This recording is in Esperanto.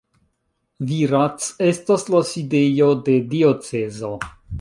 Virac estas la sidejo de diocezo.